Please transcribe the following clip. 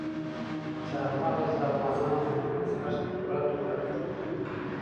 چار مغز د افغانانو د ژوند طرز په پوره توګه اغېزمنوي.